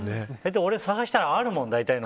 俺、探したらあるもん。